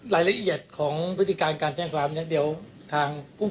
รายละเอียดของพฤติการการแจ้งความเนี่ยเดี๋ยวทางผู้